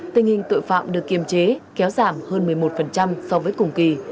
tình hình tội phạm được kiềm chế kéo giảm hơn một mươi một so với cùng kỳ